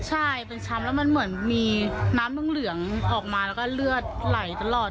ใช่เป็นช้ำแล้วมันเหมือนมีน้ำเหลืองออกมาแล้วก็เลือดไหลตลอด